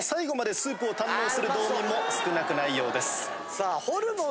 さあ。